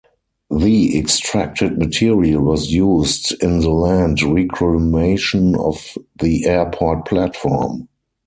The extracted material was used in the land reclamation of the airport platform.